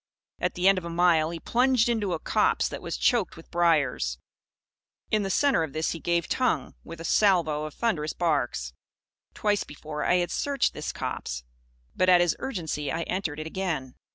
At the end of a mile, he plunged into a copse that was choked with briars. In the centre of this he gave tongue, with a salvo of thunderous barks. Twice before, I had searched this copse. But, at his urgency, I entered it again.